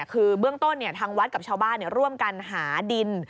คือเบื้องต้นทางวัดกับชาวบ้านร่วมกันหาดิน